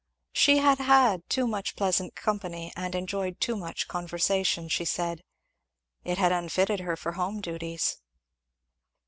She had had too much pleasant company and enjoyed too much conversation, she said. It had unfitted her for home duties.